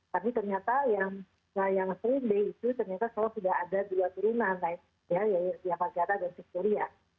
tapi ternyata yang sering b itu ternyata kalau sudah ada dua turunan ya ya pasti ada yang sekurian